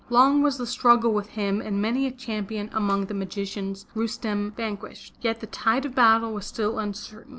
Long was the struggle with him and many a champion among the magicians Rustem vanquished. Yet the tide of battle was still uncertain.